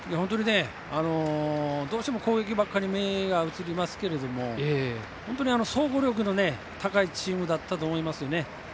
どうしても攻撃ばっかり目が移りますけど本当に総合力の高いチームだったと思いますよね。